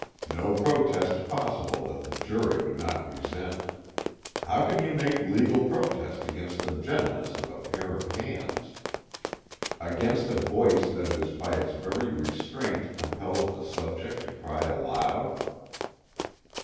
_ No protest possible that the jury would not resent. How can you make legal protest against the gentleness of a pair of hands? Against a voice that by its very restraint compels the subject to cry aloud?